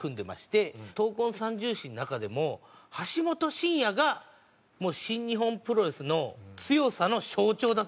闘魂三銃士の中でも橋本真也がもう新日本プロレスの強さの象徴だったんですよ。